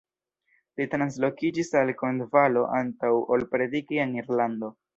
Li translokiĝis al Kornvalo antaŭ ol prediki en Irlando.